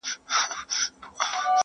خو اختلاف لا هم شته ډېر,